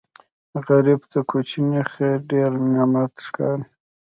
غریب ته کوچنی خیر ډېر نعمت ښکاري